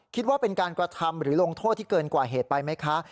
คิดว่าเป็นการกระทำหรือลงโทษที่เกินกว่าเหตุไปไหมคะ